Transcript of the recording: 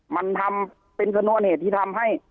มันทำเป็นชนวนเหตุที่ทำให้